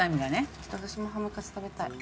ちょっと私もハムカツ食べたい。